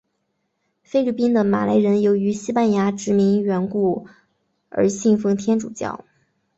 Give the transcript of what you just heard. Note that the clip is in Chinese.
菲律宾的马来人由于西班牙殖民缘故而信奉天主教。